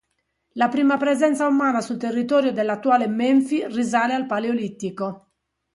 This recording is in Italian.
La prima presenza umana sul territorio dell'attuale Menfi risale al paleolitico.